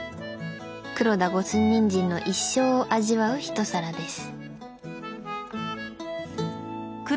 黒田五寸ニンジンの一生を味わう一皿です。